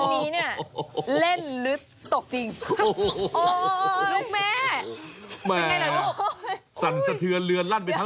อันนี้เนี่ยเล่นลึกตกจริง